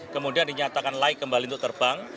kemudian dinyatakan laik kembali untuk terbang